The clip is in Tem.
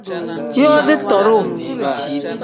Yooti tooru.